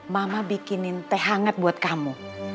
mama bikinin teh hangat buat kamu